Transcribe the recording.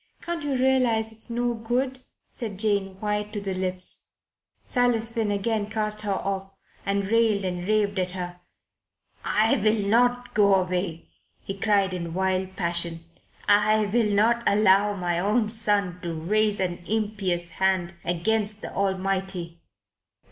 Can't you realize it's no good?" said Jane, white to the lips. Silas Finn again cast her off and railed and raved at her. "I will not go away," he cried in wild passion. "I will not allow my own son to raise an impious hand against the Almighty."